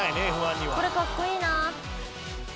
これかっこいいな。